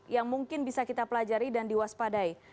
yang mungkin bisa kita pelajari dan diwaspadai